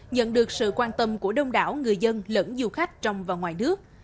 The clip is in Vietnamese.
nhận được sự quan tâm của đông đảo người dân lẫn du khách trong và ngoài nước